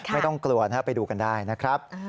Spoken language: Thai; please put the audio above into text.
ไม่ต้องกลัวนะครับไปดูกันได้นะครับ